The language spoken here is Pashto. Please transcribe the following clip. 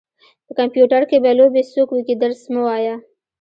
په کمپيوټر کې به لوبې څوک وکي درس مه وايه.